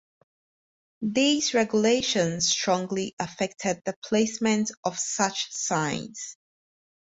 These regulations strongly affected the placement of such signs.